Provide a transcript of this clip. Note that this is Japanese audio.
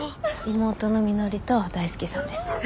妹のみのりと大輔さんです。